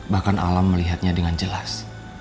bahkan alam melihatnya dengan jelas